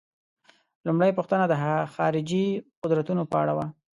لومړۍ پوښتنه د خارجي قدرتونو په اړه وه.